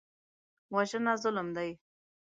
وژنه ظلم دی